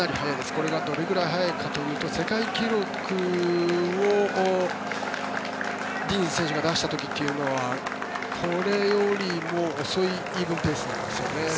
これがどれぐらい速いかというと世界記録をディニズ選手が出した時というのはこれよりも遅いイーブンペースなんですよね。